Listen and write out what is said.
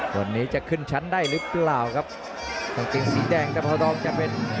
วันนี้จะขึ้นชั้นได้หรือเปล่าครับกางเกงสีแดงกะเพราดองจะเป็น